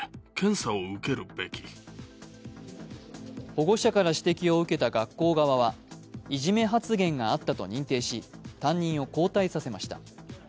保護者から指摘を受けた学校側はいじめ発言があったと認定し担任を交代させました。